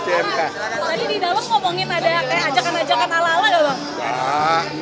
tadi di dalam ngomongin ada kayak ajakan ajakan ala ala gak bang